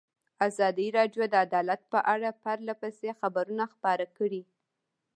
ازادي راډیو د عدالت په اړه پرله پسې خبرونه خپاره کړي.